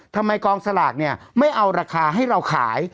กองสลากเนี่ยไม่เอาราคาให้เราขาย